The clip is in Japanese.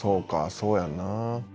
そうやんな」